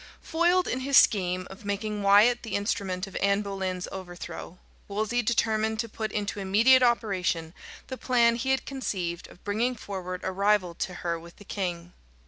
Foiled in his scheme of making Wyat the instrument of Anne Boleyn's overthrow, Wolsey determined to put into immediate operation the plan he had conceived of bringing forward a rival to her with the king.